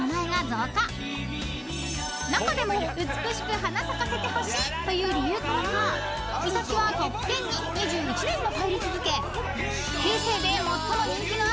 ［中でも美しく花咲かせてほしいという理由からか「美咲」はトップ１０に２１年も入り続け］